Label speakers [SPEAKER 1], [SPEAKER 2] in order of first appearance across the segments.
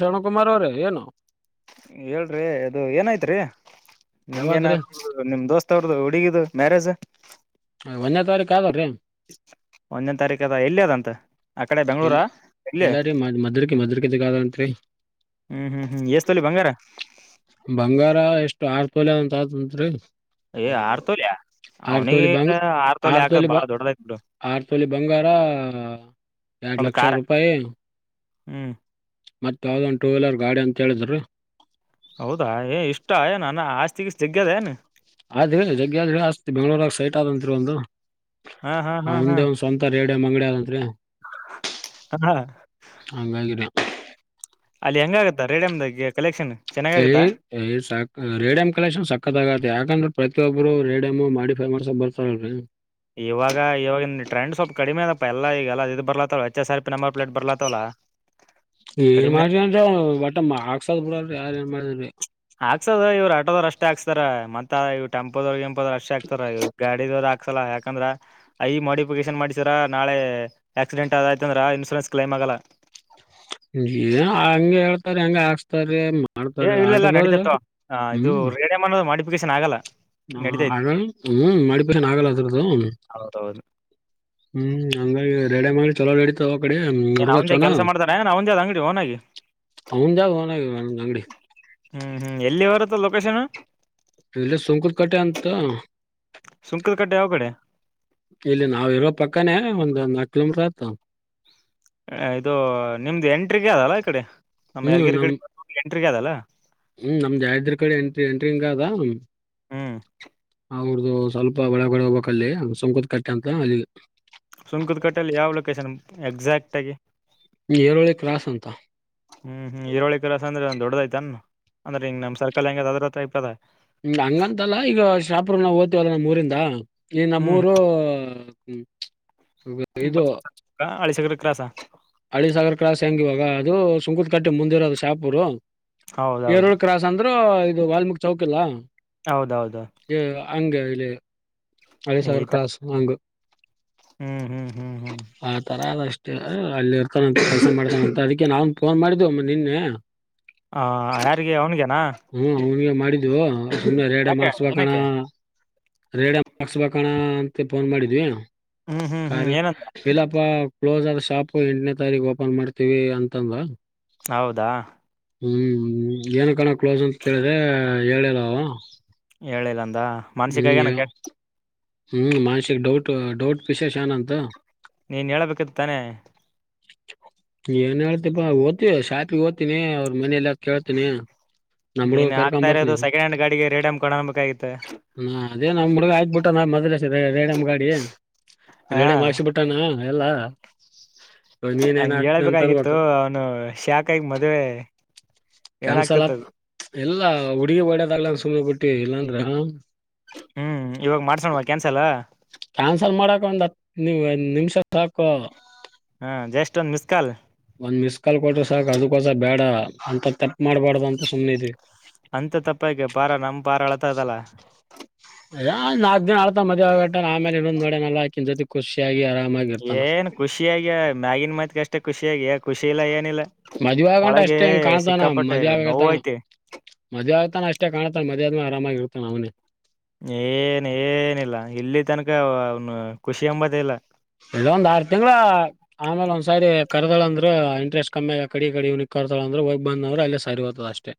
[SPEAKER 1] ಶರಣ, ಕುಮಾರ್, ಅವರ, ಏನು? [inaudible]
[SPEAKER 2] ಹೇಳ್ರಿ, ಅದು, ಏನೈತ್ರಿ? [inaudible] ನಿಮಗೇನು,
[SPEAKER 1] ಯಾವಾದ್ರಿ
[SPEAKER 2] ನಿಮ್, ದೋಸ್ತರು, ಅವ್ರದು ಹುಡುಗಿದು, ಮ್ಯಾರೇಜ್! [inaudible]
[SPEAKER 1] ಒಂದೇ, ತಾರೀಕು, ಆದ್ರೀ! [inaudible]
[SPEAKER 2] ಒಂದನೇ, ತಾರೀಖು, ಅದ, ಎಲ್ಲಿ, ಅದಂತ? [inaudible] ಬೆಂಗ್ಳೂರ
[SPEAKER 1] ಎಲ್ಲಿ,
[SPEAKER 2] ಎಲ್ಲಿ
[SPEAKER 1] ಎಲ್ಲಾರ, ಮಾಡಿರುಕಿ, ಮದರ್ಕ, ಮದರಕ ಇದಗತ್ರಿ!
[SPEAKER 2] ಹ್ಮ್ ಹ್ಮ್ ಹ್ಮ್ ಎಸ್ ತೊಲಿ ಬಂಗಾರ
[SPEAKER 1] [inaudible] ಬಂಗಾರ, ಎಷ್ಟು? [inaudible] ತಾರುಪಾಲು, ನಮ್, ತಾತನ್ರೀ. [inaudible]
[SPEAKER 2] ಹೇ, ಆರ್ತೋಲೆ, ಅವ್ನಿಗೆ! ಆರ್ತೋಲೆ, ಹಾಕದ ಬಾಳ ದೊಡ್ಡದಾಯ್ತು, ಬಿಡು? [inaudible]
[SPEAKER 1] ಆರುತೋಳ, ಬಂಗಾರ, ಎರಡು,
[SPEAKER 2] ಒಂದ್
[SPEAKER 1] ಲಕ್ಷ
[SPEAKER 2] ಕಾರ
[SPEAKER 1] ರೂಪಾಯಿ! [inaudible]
[SPEAKER 2] ಹ್ಮ್.. [inaudible]
[SPEAKER 1] ಮತ್, ತ್ ಯಾವ್ದೊಂದ್ ಟೂ, ವೀಲರ್ ಗಾಡಿ ಅಂತ, ಹೇಳಿದ್ರರು! [inaudible]
[SPEAKER 2] ಊಟ, ಏನು, ಆಸ್ತಿ. [inaudible]
[SPEAKER 1] ಆದ್ರೆ, ಜಗ್ಗೆ, ಆದ್ರ, ಅಸ್ತಿ, ಬೆಂಗಳೂರಾಗ, ಸೈಟ್ ಆದಂತರಿ, ಒಂದು. [inaudible]
[SPEAKER 2] ಹಾ ಹಾ ಹಾ
[SPEAKER 1] ಒಂದೇ,
[SPEAKER 2] ಹಾ
[SPEAKER 1] ಒಂದ್, ಸ್ವಂತ, ರೇಡಿಯಂ, ಅಂಗಡಿ, ಆದಂತ್ರಿ!
[SPEAKER 2] ಹಾ
[SPEAKER 1] [inaudible] ಹಂಗಾಗಿನೆ! [inaudible]
[SPEAKER 2] ಅಲ್ಲಿ, ಹೆಂಗ, ಆಗತ್ತಾ, ರೇಡಿಯಮ್ದಾಗ, ಕಲೆಕ್ಷನ್? [inaudible]
[SPEAKER 1] ಸರಿ, ಹೇ, ಸಾಕು, ರೇಡಿಯಂಕಾಲ್ಲೆಕೇಶನ್,, ಸಾಕಾಯ್ತು, ಆಯ್ತೇ, ಆಗ, ಯಾಕ. [inaudible] ಹ್ಮ್ಮ್, ಪ್ರತಿಯೊಬ್ಬರು, ರೇಡಿಯಮ್! ಮಾಡಿಫೈ ಮಾಡುಶೋಕೆ, ಬರ್ತಾರಲ್ರಿ! [inaudible]
[SPEAKER 2] ಇವಾಗ, ಇವಾಗ, ಟ್ರೆಂಡ್, ಸ್ವಲ್ಪ ಕಡಿಮೆ ಅದಪ್ಪಾ! ಎಲ್ಲ, ಈಗಲ್ಲ, ಇದು, ಬರ್ಲತ್ತವ, H, S, R, P. Number, plate, ಬರ್ಲತ್ತವಲ್ಲ! [inaudible]
[SPEAKER 1] ಏನ್, ಮಾಡ್ರನ್, ಬಟ್ಟ, ಮಕ್ಸದ್, ಬಿಡಲ್ರಿ ಯಾರು, ಏನ್ ಮಾಡಿದನ್ರಿ. [unintelligible]
[SPEAKER 2] ಹಾಕ್ಸದ, ಇವ್ರು, ಆಟೋದವರು! ಅಷ್ಟೇ, ಹಕ್ಸ್ತಾರ ಮತ್ತ, ಇವರು, ಟೆಂಪೋಧ್ವರು. [inaudible] ಅಷ್ಟ್, ಆಗ್ತಾರ, ಗಾಡಿಯವರು, ಹಕ್ಸಲ್ಲ ಯಾಕಂದ್ರ ಅಯ್, ಮಾಡಿಡಿಫಿಕೇಶನ್, ಮಾಡ್ಸರ. [unintelligible] ನಾಳೆ, ಆಕ್ಸಿಡೆಂಟ್! ಆದಾಯ್ತ ಅಂದ್ರ ಇನ್ಶೂರೆನ್ಸ್, ಕ್ಲೈಮ್, ಆಗಲ್ಲ? [inaudible]
[SPEAKER 1] ಏನೋ, ಹಂಗೆ, ಹೇಳ್ತಾರೆ, ಹಾಂಗೀಕಿಶಿಕೊಳೂರಿ! [inaudible]
[SPEAKER 2] ಏ, ಇಲ್ಲಲ್ಲ, ನಡಿತಾ ಇದೆ ತಗೋ! ಹ ಇದು, ರೇಡಿಯಂ, ಅನ್ನೋದು, ಮಾಡಿಫಿಕೇಶನ್, ಆಗಲ್ಲ! [inaudible]
[SPEAKER 1] ಹಾ, ಅಳ, ಹ್ಮ್, ಮಾಡಿಬಾರೋನಾ, ಅಗ್ಯಾಲಾಬಾಸ್! [unintelligible]
[SPEAKER 2] ಹೌದೌದು
[SPEAKER 1] ಹ್ಮ್, ಹಾಂಗಾಗಿ, ರೇಡಿಯಂ, ಚಲೋ, ನಾಡಿತವೇ, ಆ ಕಡೆ,
[SPEAKER 2] ಏನ್
[SPEAKER 1] ನೋಡುವ,
[SPEAKER 2] ಅವಂದೇ
[SPEAKER 1] ಚಾನಾ!
[SPEAKER 2] ಕೆಲಸ
[SPEAKER 1] [inaudible]
[SPEAKER 2] ಮಾಡ್ತಾರ ಏನ್ ಅವಂದೇ ಅದ ಅಂಗಡಿ ಓನಾಗಿ
[SPEAKER 1] ಅವುಂಧೇ! ಒನ್ಹಾಗಿ, ಅಂಗಡಿ. [inaudible]
[SPEAKER 2] ಹೇಳಿಬರುತ್ತೇ, ಲೊಕೇಶನ್? [inaudible]
[SPEAKER 1] ಇಲ್ಲ, ಸುಂಕುರು, ಕಟ್ಟೆ, ಅಂತ!
[SPEAKER 2] ಸುಂಕದ ಕಟ್ಟೆ ಯಾವ ಕಡೆ
[SPEAKER 1] [inaudible] ಇಲ್ಲಿ ನಾವಿರೋ ಪಕ್ಕನೇ ಒಂದು ನಕ್ಳು ಕಿಲೋಮೀಟರು ಆಯ್ತು
[SPEAKER 2] ಇದು ನಿಮ್ದು ಎಂಟ್ರಿಗೆ ಆದಲ್ಲಾ ಈ ಕಡೆ ನಮ್ಮ
[SPEAKER 1] ಹ್ಮ್
[SPEAKER 2] ಯಾದಗಿರಿ
[SPEAKER 1] ನಮ್
[SPEAKER 2] ಕಡೆ ಎಂಟ್ರಿಗೆ ಆದದಲ್ಲ
[SPEAKER 1] ಹ್ಮ್ ನಮ್ದ ಯಾದಗಿರಿ ಕಡೆ ಎಂಟ್ರಿ ಎಂಟ್ರಿ ಹಿಂಗ ಅದ
[SPEAKER 2] ಹ್ಮ್
[SPEAKER 1] ಅವ್ರ್ದು ಸ್ವಲ್ಪ ಒಳಗಡೆ ಹೋಗ್ಬೇಕ್ ಅಲ್ಲಿ ಸುಂಕುತ್ ಕಟ್ಟೆ ಅಂತ ಅಲ್ಲಿ
[SPEAKER 2] ಸುಂಕತ್ ಕಟ್ಟೆಯಲ್ಲಿ ಯಾವ್ ಲೊಕೇಶನ್ ಎಕ್ಸಾಕ್ಟ್ ಆಗಿ
[SPEAKER 1] ಏರೋಳಿ ಕ್ರಾಸ್ ಅಂತ
[SPEAKER 2] ಹ್ಮ್ ಹ್ಮ್ ಏರೋಹಳ್ಳಿ ಕ್ರಾಸ್ ಅಂದ್ರೆ ದೊಡ್ಡದು ಐತೆನು ಅಂದ್ರೆ ಹಿಂಗ ನಮ್ಮ ಸರ್ಕಲ್ ಹೆಂಗ ಐತಲ್ಲಾ
[SPEAKER 1] ಹ, ಹಂಗಂತಲ್ಲ, ಈಗ ಶಾಪುರ್ ನಾವು, ಹೋಯಿತಿವಿಯಲ್ಲ, ನಮ್ಮ್ ಊರಿಂದ ಈ,
[SPEAKER 2] ಹ್ಮ್
[SPEAKER 1] ನಮ್ಮೂರು. [unintelligible] ಹ್ಮ್. [inaudible]
[SPEAKER 2] ಕ ಅಳಸೆಕೆರೆ ಕ್ರಾಸ್
[SPEAKER 1] ಹಳ್ಳಿಸಾಗರ್ ಕ್ರಾಸ್ ಹೆಂಗ ಇವಾಗ ಅದು ಸುಕುಂತ್ ಕಟ್ಟೆ ಮುಂದಿರೋದು ಶಾಪೂರು
[SPEAKER 2] ಹೌದೌದು
[SPEAKER 1] ಏರಳ್ ಕ್ರಾಸ್ ಅಂದ್ರರು ಇದು ವಾಲ್ಮೀಕ್ ಚೌಕ್ ಇಲ್ಲಾ
[SPEAKER 2] ಹೌದೌದು
[SPEAKER 1] ಹೇ ಹಂಗ ಇಲ್ಲಿ ಹಳ್ಳಿ ಸಾಗರ್
[SPEAKER 2] ಈತ
[SPEAKER 1] ಕ್ರಾಸ್ ಹಂಗು
[SPEAKER 2] ಹ್ಮ್ ಹ್ಮ್ ಹ್ಮ್ ಹ್ಮ್
[SPEAKER 1] ಆತರ ಅದ ಅಷ್ಟೇ ಅಲ್ಲಿ ಇರ್ತಾನ ಕೆಲಸ ಮಾಡ್ತ ಅದಕ್ಕೆ ನಾನ್ ಫೋನ್ ಮಾಡಿದೆವು ನಿನ್ನೆ
[SPEAKER 2] ಹ ಯಾರಿಗೆ ಅವ್ನಿಗ
[SPEAKER 1] ಹ್ಮ ಅವನ್ಗೆ ಮಾಡಿದ್ದು ಇನ್ನ ಅದು ಎರಡ
[SPEAKER 2] ಯಾಕೆ
[SPEAKER 1] ಮಾಡಿಸಬೇಕಣ್ಣ
[SPEAKER 2] ಏನಕ್ಕೆ
[SPEAKER 1] ರೇಡ ಮಾಡಿಸಬೇಕಣ್ಣ ಅಂತ ಫೋನ್ ಮಾಡಿದ್ವಿ
[SPEAKER 2] ಹ್ಮ್ ಹ್ಮ್
[SPEAKER 1] ಕಾರ
[SPEAKER 2] ಹ್ಮ್ ಏನಂತ
[SPEAKER 1] ಇಲ್ಲಪ್ಪ ಕ್ಲೋಸ್ ಆದ ಶಾಪ ಎಂಟನೇ ತಾರೀಕು ಓಪನ್ ಮಾಡ್ತೀವಿ ಅಂತಂದ
[SPEAKER 2] ಹೌದಾ
[SPEAKER 1] ಹ್ಮ್ ಏನಕಣ್ಣ ಕ್ಲೋಸ್ ಅಂತ ಕೇಳಿದ್ರೆ ಹೇಳಿಲ್ಲ ಆವ
[SPEAKER 2] ಹೇಳಿಲ್ಲ ಅಂದ ಮನ್ಸಿಗೆ ಏನಾರ
[SPEAKER 1] ಹ್ಮ್ ಮಾನಸಿಕಕ್ ಡೌಟ್ ಡೌಟ್ ಫಿಶೇಷ ಅಂತ
[SPEAKER 2] ನೀನ್ ಹೇಳಬೇಕಿತ್ತು ತಾನೆ
[SPEAKER 1] ಏನ್ ಹೇಳ್ತಿಪಾ ಹೋಗ್ತಿವಿ ಶಾಪಿಗೆ ಹೋಗ್ತಿವಿ ಅವ್ರ ಮನೆಯೆಲ್ಲಾ ಕೇಳ್ತೀನಿ ನಮ ಹುಡುಗ
[SPEAKER 2] ನೀನ್
[SPEAKER 1] ಕರ್ಕೊ
[SPEAKER 2] ಆಗ್ತಾ
[SPEAKER 1] ಬರ್ತನಿ
[SPEAKER 2] ಇರೋದು ಸೆಕೆಂಡ್ ಹ್ಯಾಂಡ್ ಗಾಡಿಗೆ ರೇಡಿಯಂ ಕೊಡಬೇಕಾಗಿತ್ತು
[SPEAKER 1] ಹಾ ಅದೇ ನಮ್ಮ ಹುಡ್ಗ ಆಯ್ಕ್ಬ ಬಿಟ್ಟುನಾ ಮದ್ಲ ರೇಡಮ್ ಗಾಡಿ
[SPEAKER 2] ಹಾ
[SPEAKER 1] ರೇಡಮ್ ಹಾಕ್ಸಿಬಿಟ್ಟಾನ ಎಲ್ಲಾ ಇವಾಗ ನೀನ್ ಏನ್
[SPEAKER 2] ಹಂಗ
[SPEAKER 1] ಆಗ್ತದೆ ಅಂತ
[SPEAKER 2] ಹೇಳಬೇಕಾಗಿತ್ತು
[SPEAKER 1] ಅನ್ಬೇಕು
[SPEAKER 2] ಅವನು ಶಾಖಾಗಿ ಮದುವೆ
[SPEAKER 1] ಕ್ಯಾನ್ಸಲ್ ಆತ್ ಎಲ್ಲಾ ಹುಡ್ಗಿ ಹೊಡಿಯೋದ್ಲಲ್ಲ ಸುಮ್ನೆ ಬಿಟ್ಟಿ ಇಲ್ಲಾಂದ್ರ
[SPEAKER 2] ಹ್ಮ್ ಇವಾಗ ಮಾಡ್ಸವ ಕ್ಯಾನ್ಸಲ್ ಅ
[SPEAKER 1] ಕ್ಯಾನ್ಸಲ್ ಮಾಡಕ ಒಂದ್ ಹತ್ತು ನಿಮಿಷ ಸಾಕು
[SPEAKER 2] ಹ ಜಸ್ಟ್ ಒಂದ್ ಮಿಸ್ ಕಾಲ್
[SPEAKER 1] ಒಂದ್ ಮಿಸ್ ಕಾಲ್ ಕೊಟ್ರರು ಸಾಕು ಅದಕ್ಕೋಸಬೇಡ ಅಂತ ತಪ್ಪು ಮಾಡ್ಬಾರ್ದು ಅಂತ ಸುಮ್ಮನೆ ಇದ್ವಿ
[SPEAKER 2] ಅಂತ ತಪ್ಪು ಯಾಕ ಪಾರ ನಮ್ಮಪಾರ ಅಳ್ತದಲ್ಲ
[SPEAKER 1] ಯ ನಾಕಕ್ ದಿನ ಆಳ್ತ ಮದುವೆ ಆಗೋಗಟ್ಟ ಆಮೇಲೆ ಇನ್ನೊಂದಿ ನೋಡೇನಲ್ಲ ಅಕಿನೂ ಜೊತೆ ಖುಷಿಯಾಗಿ ಆರಾಮಾಗಿ ಇರ್ತಾನ
[SPEAKER 2] ಏನ್ ಖುಷಿಯಾಗಿ ಮ್ಯಾಗಿನ್ ಮತ್ ಅಷ್ಟೇ ಖುಷಿಯಾಗಿ ಖುಷಿ ಇಲ್ಲ ಏನಿಲ್ಲ
[SPEAKER 1] ಮದ್ವೆ ಆಗಂಟ
[SPEAKER 2] ಒಳಗೆ
[SPEAKER 1] ಅಷ್ಟೇ ಹಿಂಗ್
[SPEAKER 2] ಸಿಕ್ಕಾಪಟ್ಟೆ ನೋವು ಐತಿ
[SPEAKER 1] ಮದುವೆ ಆಗ್ತಾನ ಅಷ್ಟೇ ಕಾಣ್ತ ಮದ್ ಆದ್ಮೇಲೆ ಆರಾಮಾಗಿ ಇರ್ತಾನ ಅವನೆ
[SPEAKER 2] ಏನ್ ಏನಿಲ್ಲ ಇಲ್ಲಿ ತನಕ ಅವನು ಖುಷಿ ಎಂಬತ್ತ ಇಲ್ಲ
[SPEAKER 1] ಇಲ್ಲ ಒಂದು ಆರುತಿಂಗಳು ಆಮೇಲೆ ಸಾರಿ ಕರ್ದಳ ಅಂದ್ರೆ ಇಂಟೆಸ್ಟ್ ಕಮ್ಮಿ ಹಾಗಿ ಆ ಕಡಿ ಈ ಕಡೆ ಕರ್ದಳಂದ್ರೆ ಹೋಗಿ ಬಂದ್ರ ಅಲ್ಲೇ ಸಾರಿ ಓ್ತದತ ಅಷ್ಟೇ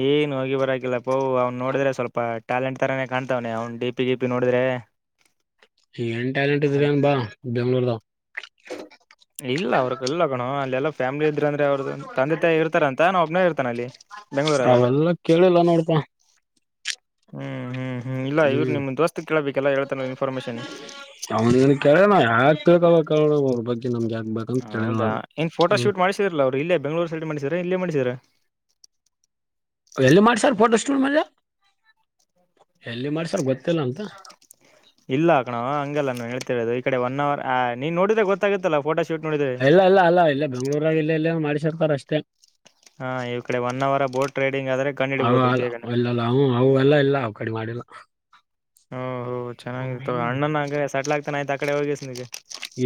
[SPEAKER 2] ಏನ್ ಹೋಗಿಬರಕಿಲ್ಲಪ್ಪೋ ಅವ ನೋಡಿದ್ರೆ ಸ್ವಲ್ಪ ಟ್ಯಾಲೆಂಟ್ ತರಾನೇ ಕಾಣ್ತವನೆ ಅವ್ನ್ ಡಿಪಿ ಡಿ ಪಿ ನೋಡಿದ್ರೆ
[SPEAKER 1] ಏನ್ ಟಾಲೆಂಟ್ ಇದ್ರರಿ
[SPEAKER 2] ಅಲ್-
[SPEAKER 1] ಅನ್ ಬಾ ಬೆಂಗಳೂರುದವು
[SPEAKER 2] ಇಲ್ಲ ಅವ್ರಗ ಇಲ್ಲ ಕಣೋ ಅಲ್ಲೆಲ್ಲ ಫ್ಯಾಮಿಲಿ ಇದ್ರ ಅಂದ್ರೆ ಅವ್ರ್ದ ತಂದೆ ತಾಯಿ ಇರ್ತಾರಂತ ಒಬ್ಬನೇ ಇರ್ತಾನ ಅಲ್ಲಿ ಬೆಂಗಳೂರಾಗ
[SPEAKER 1] ಅವೆಲ್ಲ ಕೇಳಿಲ್ಲ ನೋಡುಪ್ಪ
[SPEAKER 2] ಹ್ಮ್ ಹ್ಮ್ ಇಲ್ಲ ಇವ್ರು
[SPEAKER 1] ಹ್ಮ್
[SPEAKER 2] ನಿಮ್ ದೋಸ್ತ್ ಕೇಳಬೇಕೆಲ್ಲ ಹೇಳ್ತಾನ ಇನ್ಫಾರ್ಮೇಶನ್
[SPEAKER 1] ಅವನನು ಕೇಳ ಯಾಕ ಕಳ್ತ ಕೋ ಅವ್ರ ಬಗ್ಗೆ ನಮ್ಗ ಯಾಕ
[SPEAKER 2] ಹೌದಾ ಏನ್ ಫೋಟೋ ಶೂಟ್ ಮಾಡಿಸಿದ್ರಲ್ಲ ಅವ್ರು ಇಲ್ಲೇ ಬೆಂಗ್ಗಳೂರು ಸೈಡ್ ಮಾಡಿಸರ ಇಲ್ಲೇ ಮಾಡಿಸರ
[SPEAKER 1] ಎಲ್ಲಿ ಮಾಡ್ಸರ್ ಫೋಟೋ ಸ್ಟೂಡ ಮೇಲೆ ಎಲ್ಲಿ ಮಾಡ್ಸರ್ ಗೊತ್ತಿಲ್ಲ ಅಂತ
[SPEAKER 2] ಇಲ್ಲಾಕನೋವ ಹಂಗೆಲ್ಲ ನಾನ ಹೇಳ್ತಿರೋದು ಈ ಕಡೆ ಒನ್ ಅವರ್ ನೀನ್ ನೋಡಿದ್ರೆ ಗೊತ್ತಾಗುತ್ತಲ್ಲ ಫೋಟೋ ಶೂಟ್ ನೋಡಿದ್ರೆ
[SPEAKER 1] ಇಲ್ಲ ಇಲ್ಲ ಅಲ್ಲ ಇಲ್ಲ ಬೆಂಗ್ಳೂರಾಗಿ ಇಲ್ಲ ಎಲ್ಲ ಮಾಡಿಸಿರ್ತಾರ ಅಷ್ಟೇ
[SPEAKER 2] [inaudible] ಹಾ ಈವ ಕಡೆ ಒನ್ ಅವರ್ ಬೋಟ್ ರೈಡಿಂಗ್ ಆದ್ರೆ ಕಂಡ
[SPEAKER 1] ಅವ
[SPEAKER 2] ಹಿಡಿಬಹದು
[SPEAKER 1] ಅಲ್ಲ
[SPEAKER 2] ಬೇಗನೆ
[SPEAKER 1] ಇಲ್ಲಲ್ಲ ಅವು ಅವು ಎಲ್ಲ ಇಲ್ಲ ಅವ್ ಕಡೆ ಮಾಡಿಲ್ಲ
[SPEAKER 2] ಓ ಹೋ ಚೆನ್ನಾಗಿತ್ತು
[SPEAKER 1] ಹ್ಮ್
[SPEAKER 2] ಅಣ್ಣನ್ರ ಸೆಟ್ಲ ಆಗ್ತಾನೆ ಆಯ್ತ ಆ ಕಡೆ ಹೋಗಿ ಸುಮ್ನಾಗೆ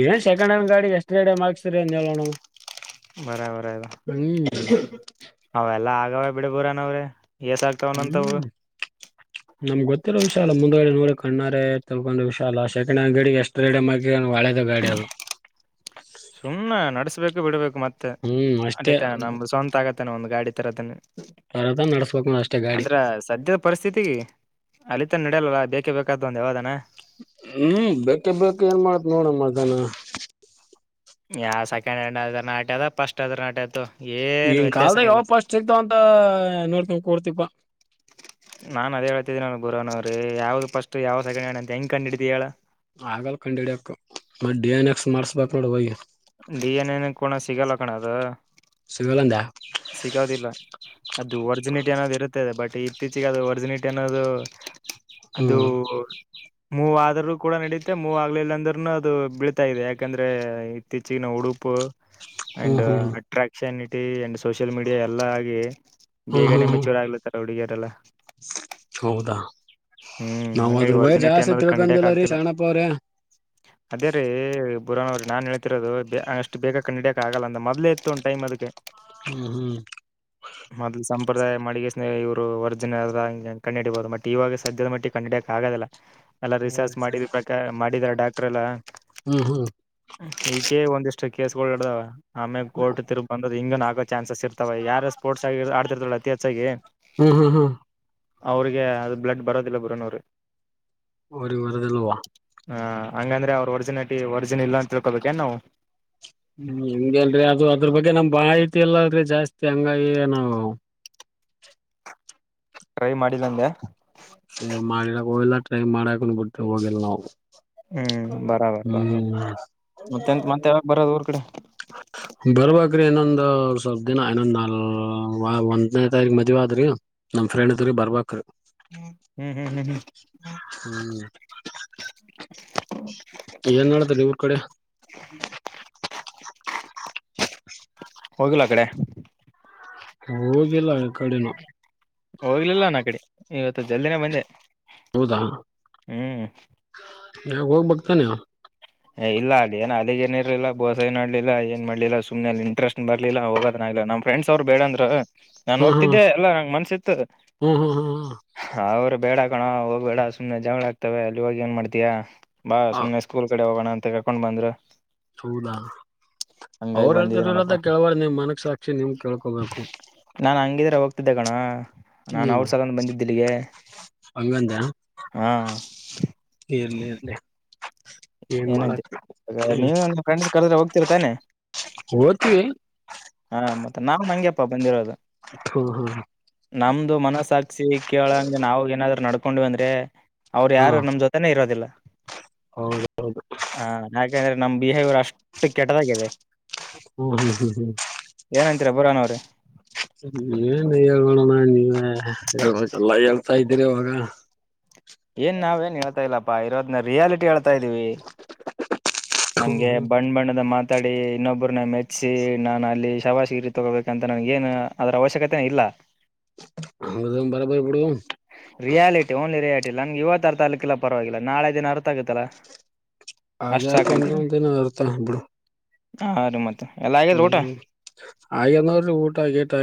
[SPEAKER 1] ಏನ್ ಸೆಕೆಂಡ್ ಹ್ಯಾಂಡ್ ಗಾಡಿ ಎಷ್ಟ ಗಾಡಿ ಮಾಡಿಗಿಸಿ ನೋಡೋಣ
[SPEAKER 2] ಬರೊಬರ ಅದು ಅವೆಲ್ಲಾ ಆಗವ ಬಿಡ್ ಬೋರಾನ್ ಅವ್ರೆ ಎಸ ಆಗ್ತಾವ ಅಂತಾವು
[SPEAKER 1] ನಮ್ ಗೊತ್ತಿರೋ ವಿಷಯಲ್ಲ ಮುಂದಡೆ ನೋಡಿ ಕಣ್ಣಾರೆ ತಕೊಂಡು ವಿಷ ಅಲ್ಲ ಸಕೆಂಡ್ ಹ್ಯಾ ಗಡಿಗೆ ಎಷ್ಟ ಹಳೆದ ಗಾಡಿ ಅದು
[SPEAKER 2] ಸುಮ್ನೆ ನಡ್ಸ್ಬೇಕು ಬಿಡ್ಬೇಕು ಮತ್ತ
[SPEAKER 1] ಹ್ಮ್ ಅಷ್ಟೇ
[SPEAKER 2] ಅಲ್ಲಿತಾನ ನಮ್ದ ಸ್ವಂತ ಆಗತ್ತಾನ ಒಂದ ಗಾಡಿ [unintelligible]
[SPEAKER 1] ತರದ ನಡ್ಸ್ಬೇಕ ನೋಡ್ ಅಷ್ಟೇ ಗಾಡಿ
[SPEAKER 2] ಅಂದ್ರ ಸದ್ಯದ ಪರಿಸ್ಥಿತಿ ಅಲಿತನ್ ನಡಿಯಲ್ಲ ಬೇಕೇ ಬೇಕಾದ ಒಂದು ಯಾವದನ
[SPEAKER 1] ಹ್ಮ್ ಬೇಕೆ ಬೇಕ ಏನ್ ಮಾಡತ್ ನೋಡಮ್ಮಧನ
[SPEAKER 2] ಯಾವ ಸೆಕೆಂಡ್ ಹ್ಯಾಂಡ್ ಅದ್ರ ನಾಟ್ಯ ಅದ ಫಸ್ಟ್ ಅದ್ರ ಅಟ್ಯೇಅದ ತೋ
[SPEAKER 1] ಈಗಿನ್ ಕಲ್ದಾಗ ಯಾವ ಫಾಸ್ಟ್ ಸಿಗ್ತಾವ ಅಂತ ನೋಡ್ತಿವ ಕೂಡ್ತಿಪ್ಪಾ
[SPEAKER 2] ನು ಬೊರನೋವರೇ ಯಾವ್ದ ಪಸ್ಟ್ ಯಾವದ ಸೆಕಂಡ್ ಹಾಡ್ಅಂತ ಹೆಂಗ ಕಂಡ ಹಿಡೀತಿ ಹೇಳ
[SPEAKER 1] ಆಗಲ್ ಕಂಡ್ ಹಿಡ್ಯಕ್ ಮತ್ತ ಡಿ ಎನ್ ಎಕ್ಸ್ ಮಾಡ್ಸ್ಬಕ್ ನೋಡ ವಯಿ
[SPEAKER 2] ಡಿ ಎನ್ ಎ ನ ಕಡ ಸಿಗಲ್ಲ ಕಣ ಅದು
[SPEAKER 1] ಸಿಗಲ್ಲಂದಾ
[SPEAKER 2] ಸಿಗೋದಿಲ್ಲ ಅದು ಒರ್ಜಿನಿಟಿ ಅನೋದು ಇರುತ್ತದೆ ಬಟ್ ಈ ಇತ್ತೀಚೆಗೆ ಅದು ಒರ್ಜಿನಿಟಿ ಅನ್ನೋದು
[SPEAKER 1] ಹ್ಮ್
[SPEAKER 2] ಅದು ಮೂವ ಆದ್ರು ಕೂಡ ನಡುತ್ತೆ ಮೂವ ಆಗ್ಲಿಲ್ಲ ಅಂದ್ರರುನು ಅದು ಅದು ಬೀಳ್ತಾ ಇದೆ ಯಾಕಂದ್ರೆ ಇತ್ತೀಚಗಿನ ಉಡುಪು
[SPEAKER 1] ಹ್ಮ್
[SPEAKER 2] ಅಂಡ್
[SPEAKER 1] ಹ್ಮ್ ಹ್ಮ್
[SPEAKER 2] ಅಟ್ರಾಕ್ಷನ್ ಇಟ್ಟ ಅಂಡ್ ಸೋಷಿಯಲ್ ಮೀಡಿಯಾ ಎಲ್ಲ ಆಗಿ ಬೇಗನೆ
[SPEAKER 1] ಹ್ಮ್ ಹ್ಮ್
[SPEAKER 2] ಮೆಚ್ಯೂರ್ ಆಗ್ಲತ್ತ ಹುಡುಗಿಯರೆಲ್ಲಾ
[SPEAKER 1] ಹೌದಾ
[SPEAKER 2] ಹ್ಮ್
[SPEAKER 1] ನಾವ್
[SPEAKER 2] ಹಂಗಾಗಿ
[SPEAKER 1] ಅದ್ರ ಭಯ
[SPEAKER 2] ಒರ್ಜಿನಿಟಿ
[SPEAKER 1] ಜಾಸ್ತಿ
[SPEAKER 2] ಅನ್ನೋದು ಕಂಡಿಡಿಯಕ್
[SPEAKER 1] ತಿಳ್ಕೊಂಡಿಲ್ಲ ರೀ
[SPEAKER 2] ಆಗ್ತಿಲ್ಲ
[SPEAKER 1] ಶರಣಪ್ಪ ಅವ್ರೆ
[SPEAKER 2] ಅದೇ ರೀ ಬುರನ್ ಅವ್ರ ನಾನ್ ಹೇಳ್ತಿರದು ಅಷ್ಟ ಬೇಗ ಕಡಿಡಕ ಆಗಲ್ಲ ಅ ಮೋದಲು ಇತ್ತು ಒನ್ ಟೈಮ್ ಅದಕ್ಕೆ
[SPEAKER 1] ಹ್ಮ್ ಹ್ಮ್
[SPEAKER 2] ಮೊದಲು ಸಂಪ್ರದಾಯ ಮಾಡಿ ಕೆಸಿಂದ ಸ್ನ ಇವರ ವರ್ಜಿನ್ ಕಂಡು ಹಿಡಿಬಹುದು ಬಟ್ ಇವಾಗ ಸದ್ಯದ ಮಟ್ಟಿಗೆ ಕಂಡಹಿಂಡಿಯಾಕ್ ಆಗದಲ್ಲಾ ಎಲ್ಲ ರಿಸರ್ಚ್ ಮಾಡಿ ಪ್ರಕಾರ ಮಾಡಿದಾರ ಡಾಕ್ಟರ್ ಎಲ್ಲಾ
[SPEAKER 1] ಹ್ಮ್ ಹ್ಮ್ ಹ್ಮ್
[SPEAKER 2] ಈಗೇ ಒಂದಿಷ್ಟ ಕೇಸ್ಗಳುಗಡದಾವ ಆಮೇಲೆ ಕೋರ್ಟ್ ತಿರ್ಪ ಬಂದ್ರ ಹಿಂಗ ನಾ ಚಾನ್ಸಸ್ ಇರ್ತವ ಯಾರು ಸ್ಪೋರ್ಟ್ ಆಗಿ ಆಡ್ತಿರ್ತಲ್ಲ ಅತಿ ಹೆಚ್ಚಾಗಿ
[SPEAKER 1] ಹ್ಮ್ ಹ್ಮ್ ಹ್ಮ್
[SPEAKER 2] ಅವ್ರಿಗೆ ಅದು ಬ್ಲಡ್ ಬರೋದಿಲ್ಲ ಬುರನವರು
[SPEAKER 1] ಅವರಿಗೆಬರೋದಿಲ್ಲಾ
[SPEAKER 2] ಹ ಹಂಗಂದ್ರೆ ಅವ್ರ ಒ ಒರ್ಜಿನಿಟಿ ಒರ್ಜಿನ ಇಲ್ಲ ಅಂತ ತಿಳ್ಕೊಬೇಕ ಏ ನಾವು
[SPEAKER 1] ಹ್ಮ್ ಹಂಗಗೆ ಅಲ್ರಿ ಅದು ಅದ್ರ ಬಗ್ಗೆ ನಮ್ ಮಾಹಿತಿ ಇಲ್ಲ ಅಳರೀ ಜಾಸ್ತಿ ಹಂಗ ಆಗಿ ನಾವು
[SPEAKER 2] ಟ್ರೈ ಮಾಡಿಲ್ಲಂದೆ
[SPEAKER 1] ಮಾಡಿರ ಹಲ್ಲ ಟ್ರೈ ಮಾಡಾಕನಬಿಟ್ಟೆ ಹೋಗಲ್ಲ ನಾವು
[SPEAKER 2] ಹ್ಮ್ ಬರಾಬರ್ ಬರ
[SPEAKER 1] ಹ್ಮ್
[SPEAKER 2] ಮತ್ತೆ ಮತ್ತ ಯಾವಾಗ ಬರೋದು ಊರ್ ಕಡೆ
[SPEAKER 1] ಬರ್ಬ್ರಿ ಇನ್ನೊಂದ ಸ್ವಲ್ಪ ದಿನ ಇನ್ನೊಂದ್ ನಲ್ ವಾ ಒಂದನೇ ತಾರೀಕ ಮದ್ವ ಆದ್ರಿ ನಮ್ಮ ಫ್ರೆಂಡ್ ದು ಬರ್ಬೇಕು
[SPEAKER 2] ಹ್ಮ್ ಹ್ಮ ಹ್ಮ ಹ್ಮ
[SPEAKER 1] ಹ್ಮ್ ಏನ್ ನೆಡೆದದ ಊರ ಕಡೆ
[SPEAKER 2] ಹೋಗಿಲ್ಲ ಆ ಕಡೆ
[SPEAKER 1] ಹೋಗಿಲ್ಲ ಆ ಆಕಡೆನು
[SPEAKER 2] ಹೋಗ್ಲಿಲ್ಲ ನನ್ ಕಡೆ ಇವತ್ತು ಜಲ್ದಿನೇ ಬಂದೆ
[SPEAKER 1] ಹೌದಾ
[SPEAKER 2] ಹ್ಮ್
[SPEAKER 1] ಹೋಗಬೇಕು ತಾನೇ
[SPEAKER 2] ಹ ಇಲ್ಲ ಅದೇನ ಅಲ್ಲಿ ಏ ಇರ್ಲಿಲ್ಲ ಬೋಸ ಏನ್ ಮಾಡಲಿಲ್ಲ ಏನ್ ಮಾಡಲಿಲ್ಲ ಸುಮ್ನೆ ಲ್ಲಿರುವ ಇಂಟೆಸ್ಟ್ ಬರ್ಲಿಲ್ಲ ಹೋಗದಲ ಫ್ರೆಂಡ್ಸ್ ಅವ್ರು ಬೇಡ ಅಂದ್ರು ನಾನು
[SPEAKER 1] ಹ್ಮ್ ಹ್ಮ್
[SPEAKER 2] ಹೋಗ್ತಿದ್ದೆ ಅಲ್ಲ ನನಗೆ ಮನಸ್ಸು ಇತ್ತು
[SPEAKER 1] ಹ್ಮ್ ಹ್ಮ್ ಹ್ಮ್
[SPEAKER 2] ಅವ್ರು ಬೇಡ ಕಣೊ ಹೋಗ್ ಬೇಡ ಸುಮ್ಮನೆ ಜಗಳ ಆಗ್ತವೆ ಅಲ್ಲಿ ಹೋಗಿಏನ್ ಮಾಡ್ತಯಾ ಬಾ
[SPEAKER 1] ಹ
[SPEAKER 2] ಸುಮ್ನೆ ಸ್ಕೂಲ್ ಕಡೆ ಹೋಗೋಣ ಅಂತ ಕರ್ಕೊಂಡ್ ಬಂದ್ರ
[SPEAKER 1] ಹೌದಾ ಅವರು
[SPEAKER 2] ಬಂದಿದ್ ನೋಡಪ್ಪಾ
[SPEAKER 1] ಹೇಳ್ತಿಲತ ಕೇಳಬಾರ ನಿಮ್ ಮನಕ್ ಸಾಕ್ಷಿ ನಿಮ್ ಕೇಳ್ಕೊಬೇಕು
[SPEAKER 2] ನಾನ್ ಹಂಗಿದ್ರೆ ಹೋಗ್ತಿದ್ದೆ ಕಣ ನಾನ್ ಅವ್ರ ಸಲಾವಾಗಿ ಬಂದಿದ್ದು ಇಲ್ಲಿಗೆ
[SPEAKER 1] ಅಂಗಂದ
[SPEAKER 2] ಹಾ
[SPEAKER 1] ಇರ್ಲಿ ಇರ್ಲಿ ಏನ್
[SPEAKER 2] ಏನಂತೆ
[SPEAKER 1] ಮಾಡರ
[SPEAKER 2] ನೀವು ನಿಮ್ ಫ್ರೆಂಡ್ಸ್ ಕರೆದ್ರೆ ಹೋಗ್ತಿರ್ತಾನೆ
[SPEAKER 1] ಒಯ್ತಿ
[SPEAKER 2] ಹಾ ಮತ್ತೆ ನಾವ್ ಹಂಗೆಪ್ಪಾ ಬಂದಿರೋದು
[SPEAKER 1] ಹ್ಮ್ ಹ್ಮ್
[SPEAKER 2] ನಮ್ದು ಮನಸ್ಸಕ ಸ ಕೇಳಂಗಗೆ ನಾವು ಏನಾದ್ರು ನಡ್ಕೊಂಡ್ವಿ ಅಂದ್ರೆ ಅವ್ರರು
[SPEAKER 1] ಹಾ
[SPEAKER 2] ಯಾರು ನಮ್ ಜೊತೆನೆೇ ಇರೋದಿಲ್ಲ
[SPEAKER 1] ಹೌದು
[SPEAKER 2] ಹ ಯಾಕಂದ್ರೆ ನಮ್ ಬಿಹೇವರ್ ಅಷ್ಟ ಕೆಟ್ಟದಾಗಿದೆ
[SPEAKER 1] ಹ್ಮ್ ಹ್ಮ್ ಹ್ಮ್
[SPEAKER 2] ಏನಂತೀರ ಬುರಾನ್ ಅವ್ರೆ
[SPEAKER 1] ಏನ್ ಹೇಳ್ರನ್ನ ನೀವೇ ಹೇಳಬೇಕು ಅಲ್ಲ ಹೇಳ್ತಾ ಇದ್ದೀರಿ ಇವಾಗ
[SPEAKER 2] ಏನ್ ನಾವ್ ಏನ್ ಹೇಳ್ತಾ ಇಲ್ಲಪ್ಪಾ ಇರೋದ್ನ ರಿಯಾಲಿಟಿ ಹೇಳ್ತಾ ಇದೀವಿ ನಮ್ಗೆ ಬಣ್ಣ ಬಣ್ಣದ ಮಾತಾಡಿ ಇನ್ನೊಬ್ಬರನ್ನ ಮೆಚ್ಚಿಸಿ ಸಿ ನಾನು ಅಲ್ಲಿ ಶಬಾಶಗಿರಿ ತಗೋಬೇಕಂತ ನನ್ಗ ಏನು ಅದರ ಅವಶ್ಯಕತೆ ಇಲ್ಲ
[SPEAKER 1] ಹಂಗದ ಬರಬರಿ ಬಿಡು
[SPEAKER 2] ರಿಯಾಲಿಟಿ ಓನ್ಲಿ ರಿಯಾಲಿಟಿ ನಂಗೆ ಇವತ್ತು ಅರ್ಥ ಆಗ್ಲಿಕ್ಕಿಲ್ಲ ಪರವಾಗಿಲ್ಲ ನಾಳೆ ದಿನ ಅರ್ಥ ಆಗತ್ತಲ್ಲಾ
[SPEAKER 1] ಹಾಗೆ ಆತಂದ ಇರುತ್ತೆ ಬಿಡು
[SPEAKER 2] ಹಾ ಮತ್ತೆ ಎಲ್ಲ ಆಗಿದ್ರ ಊಟ
[SPEAKER 1] ಹ್ಮ್ ಹಾಗೇ ನೋಡಿರಿ ಊಟ ಗಿಟಾ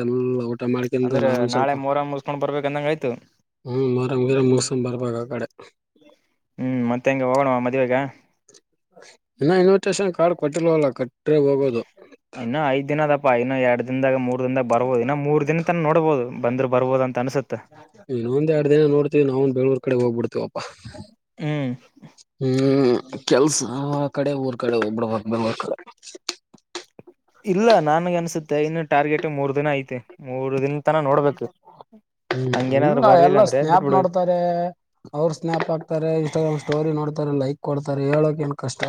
[SPEAKER 1] ಎಲ್ಲ ಮಾಡ್ಕಂತ
[SPEAKER 2] ಅಂದ್ರೆ
[SPEAKER 1] ನಾವೊಂದ್
[SPEAKER 2] ನಾಳೆ ಮೊರಂ ಮುಸ್ಕೊಂಡ್ ಬರ್ಬೇಕು ಅಂದಂಗ ಆಯ್ತು
[SPEAKER 1] ಹ್ಮ ಮೊರಂ ಮುಗಿಸ್ಕೊಂಡು ಬರ್ಬೇಕು ಅ ಕಡೆ
[SPEAKER 2] ಹ್ಮ್ ಮತ್ತೆ ಹೆಂಗೆ ಹೋಗೋಣವ ಮದುವೆಗೆ
[SPEAKER 1] ಇನ್ನ ಇನ್ವಿಟೇಶನ್ ಕಾರ್ಡ್ ಕೊಟ್ಟಿಲ್ವಲ್ಲ ಕೊಟ್ಟರೆ ಹೋಗೋದು
[SPEAKER 2] ಇನ್ನು ಐದ ದಿನದಪ್ಪಾ ಇನ್ನ ಎರಡ್ ದಿನದಾಗ ಬರ್ಬೋದು ಇನ್ನು ಮೂರ್ ದಿನ ತನ ನೋಡ್ಬೋದು ಬಂದ್ರ ಬರ್ಬೋದ ಅಂತ ಅನ್ಸುತ್ತ
[SPEAKER 1] ಅವನ್ ಬೆಂಗಳೂರ್ ಕಡೆ ಹೋಗ್ಬಿಡ್ತವಪ್ಪಾ
[SPEAKER 2] ಹ್ಮ್
[SPEAKER 1] ಹ್ಮ್ ಕೆಲ್ಸ ಕಡೆ ಊರ್ ಕಡೆ ಹೋಗ್ಬಿಡ್ಬೇಕ ಕಡೆ
[SPEAKER 2] ಇಲ್ಲ ನನ್ಗೆ ಅನ್ಸುತ್ತೆ ಇನ್ನು ಟಾರ್ಗೆಟ್ ಮೂರ್ ದಿನ ಐತೆ ನೋಡ್ಬೇಕು
[SPEAKER 1] ಹ್ಮ್
[SPEAKER 2] ಹಂಗೇನಾದ್ರು
[SPEAKER 1] ಇಲ್ಲ
[SPEAKER 2] ಬರ್ಲಿಲ್ಲ
[SPEAKER 1] ಎಲ್ಲ
[SPEAKER 2] ಅಂದ್ರೆ
[SPEAKER 1] ಸ್ನ್ಯಾಪ್
[SPEAKER 2] ಬಿಟ್ಬಿಡು
[SPEAKER 1] ನೋಡ್ತಾರೆ ಅವರು ಸ್ನ್ಯಾಪ್ ಆಕ್ತಾರೆ ಇನ್ಸ್ಟಾಗ್ರಾಮ್ ಸ್ಟೋರಿ ನೋಡ್ತಾರೆ ಲೈಕ್ ಕೊಡ್ತಾರೆ ಹೇಳೋಕೇನು ಕಷ್ಟ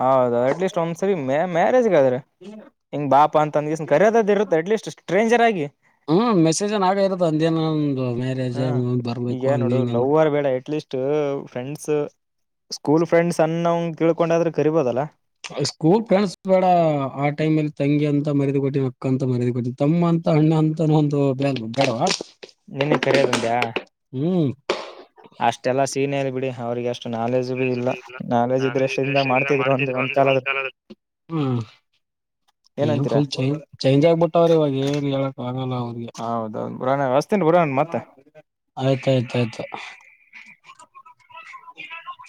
[SPEAKER 2] ಹೌದೌದು ಅಟ್ ಲೀಸ್ಟ್ ಒಂದ್ಸರಿ ಮ್ಯಾರೇಜ್ಗೆ ಆದ್ರೆ ಹಿಂಗ ಬಾಪ ಅಂತಂದ ಕರ್ಯೋದ ಇರುತ್ತೆ ಅಟ್ಲೀಸ್ಟ್ ಸ್ಟ್ರೇಂಜರ್ ಆಗಿ
[SPEAKER 1] ಹ್ಮ್ ಮೆಸೇಜ್ ನ್ ಆಗ ಇರದು ಅಂದೇ ಏನಂದು ಮ್ಯಾರೇಜ್
[SPEAKER 2] ಹಾ
[SPEAKER 1] ಬರ್ಬೇಕು
[SPEAKER 2] ಈಗ
[SPEAKER 1] ಹಂಗೆ
[SPEAKER 2] ನೋಡು
[SPEAKER 1] ಇಂಗೆ ಅಂತ
[SPEAKER 2] ಲವ್ವರ್ ಬೇಡ at least friends school friends ಅನ್ನಂಗ ತಿಳ್ಕೊಂಡಾದ್ರೆ ಕರಿಬೋದಲ್ಲ
[SPEAKER 1] ಸ್ಕೂಲ್ ಫ್ರಂಡ್ಸ್ ಬೇಡ ಆ ಟೈಮ್ ಅಲ್ಲಿ ತಂಗಿ ಅಂತ ಮರ್ಯಾದಿ ಕೊಟ್ಟಿ ಅಕ್ಕ ಅಂತ ಮರ್ಯಾದಿ ಕೊಟ್ಟಿನಿ ತಮ್ಮ ಅಂತ ಅ ಅಣ್ಣ ಅಂತ ಒಂದು ಬೇಡ್ವಾ
[SPEAKER 2] ನಿನ್ಗ್ ಕರೆಯೋದಂಡ್ಯಾ ಅಷ್ಟೆಲ್ಲಾ ಸೀನೆಲಯಿಲ್ಲ ಬಿಡಿ ಅವ್ರಿಗೆ ಎಷ್ಟ
[SPEAKER 1] ಕಾಲೇಜು ಇಲ್ಲ ಕಾಲೇಜು
[SPEAKER 2] ಎಷ್ಟರಿಂದ
[SPEAKER 1] ಇದ್ರಷ್ಟಿಂದ
[SPEAKER 2] ಒಂದ್
[SPEAKER 1] ಮಾಡ್ತಿದ್ರು ಒಂದ
[SPEAKER 2] ಕಾಲದ
[SPEAKER 1] ಒಂದ್ ಕಾಲ್ಮ ಏನ್
[SPEAKER 2] ಏನಂತೀರಾ
[SPEAKER 1] ಫುಲ್ ಚಂಜ್ ಚೇಂಜ್ ಆಗ್ಬಿಟ್ಟಾವ್ರ ಇವಾಗ ಏನ್ ಹೇಳಕ್ ಆಗಲ್ಲ ಅವ
[SPEAKER 2] ಹೌದೌದು ಬ್ರೋ ನಾ
[SPEAKER 1] ಆಯ್ತ ಆಯ್ತ ಆಯ್ತು. [inaudible]